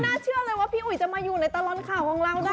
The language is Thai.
น่าเชื่อเลยว่าพี่อุ๋ยจะมาอยู่ในตลอดข่าวของเราได้